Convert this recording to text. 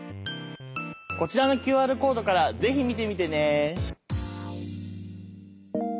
こちらのＱＲコードから是非見てみてね！